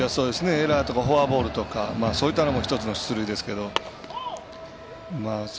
エラーとかフォアボールとかそういったのも１つの出塁ですけど。